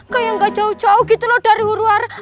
kayak gak jauh jauh gitu loh dari huru hara